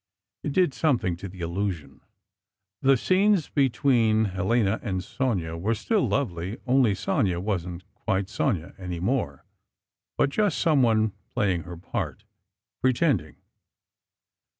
It did something to the illusion. The scenes between Helena and Sonia were still lovely, only Sonia wasn't quite Sonia any more, but just someone playing her part, pretending.